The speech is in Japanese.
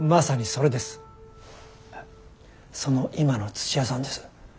その今の土屋さんです。